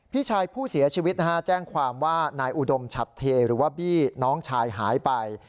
พี่ชายผู้เสียชีวิตนะฮะแจ้งความว่านายอุดมฉัดเทหรือว่าบี้น้องชายหายไป